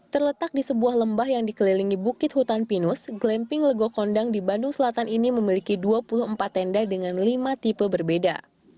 terletak di sebuah lembah yang dikelilingi bukit hutan pinus glamping legokondang di bandung selatan ini memiliki dua puluh empat tenda dengan lima tipe berbeda